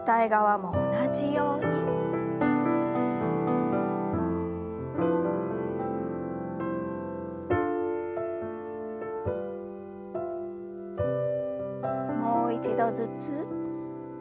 もう一度ずつ。